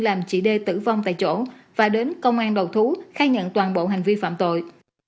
làm chị đê tử vong tại chỗ và đến công an đầu thú khai nhận toàn bộ hành vi phạm tội